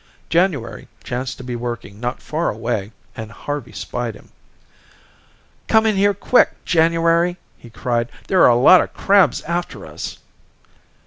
January chanced to be working not far away, and Harvey spied him. "Come in here quick, January," he cried. "There are a lot of crabs after us."